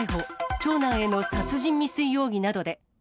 長男への殺人未遂容疑などで。